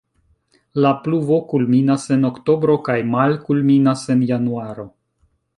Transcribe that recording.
La pluvo kulminas en oktobro kaj malkulminas en januaro.